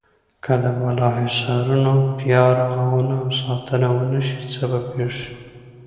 که د بالا حصارونو بیا رغونه او ساتنه ونشي څه به پېښ شي.